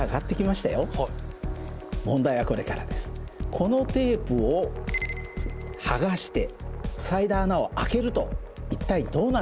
このテープを剥がして塞いだ穴を開けると一体どうなるでしょう？